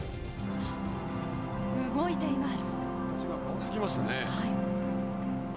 動いています。